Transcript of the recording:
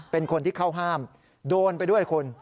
เป็นคนที่เข้าห้ามโดนไปด้วยคุณ